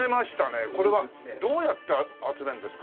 これはどうやって集めるんですか？